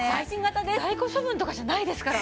在庫処分とかじゃないですから。